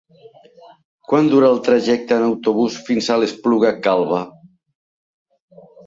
Quant dura el trajecte en autobús fins a l'Espluga Calba?